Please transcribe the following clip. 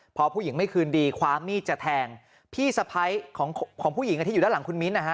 พอผู้หญิงไม่คืนดีคว้ามีดจะแทงพี่สะพ้ายของผู้หญิงที่อยู่ด้านหลังคุณมิ้นท์นะฮะ